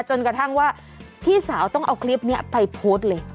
จนกระทั่งว่าพี่สาวต้องเอาคลิปนี้ไปโพสต์เลย